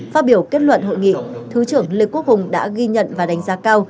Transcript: phát biểu kết luận hội nghị thứ trưởng lê quốc hùng đã ghi nhận và đánh giá cao